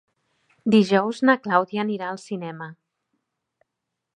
Dijous na Clàudia anirà al cinema.